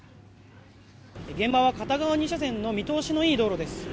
現場は片側２車線の見通しのいい道路です。